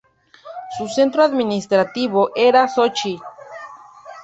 Su centro administrativo era Sochi.